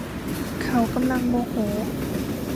เขากำลังโมโห